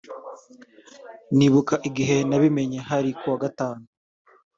nibuka igihe nabimenye hari kuwa Gatanu